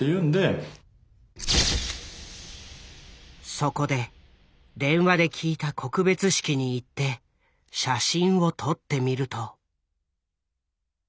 そこで電話で聞いた告別式に行って写真を撮ってみると。